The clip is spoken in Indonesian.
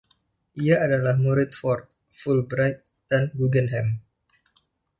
Ia adalah murid Ford, Fulbright dan Guggenheim.